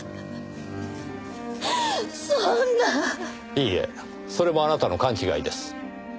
いいえそれもあなたの勘違いです。